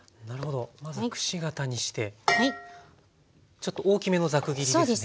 ちょっと大きめのザク切りですね。